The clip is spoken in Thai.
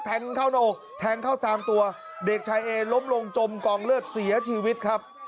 เข้าหน้าอกแทงเข้าตามตัวเด็กชายเอล้มลงจมกองเลือดเสียชีวิตครับ